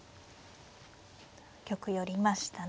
玉寄りましたね。